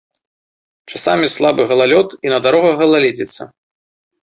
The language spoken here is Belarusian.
Часамі слабы галалёд і на дарогах галаледзіца.